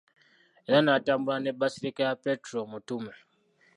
Era n'atambula ne Basilica ya Petro Omutume.